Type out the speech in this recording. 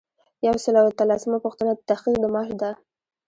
یو سل او اتلسمه پوښتنه د تحقیق د معاش ده.